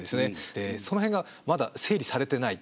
その辺がまだ整理されてない。